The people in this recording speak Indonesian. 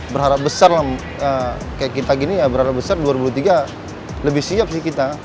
berharap besar lah kayak kita gini ya berharap besar dua ribu tiga lebih siap sih kita